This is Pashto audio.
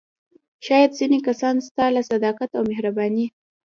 شاید ځینې کسان ستا له صداقت او مهربانۍ.